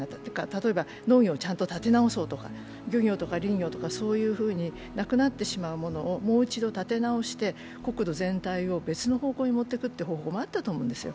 例えば農業をちゃんと立て直そうとか、漁業とか林業とかなくなってしまうものをもう一度立て直して国土全体を別の方向に持っていくという方法もあったと思うんですよ。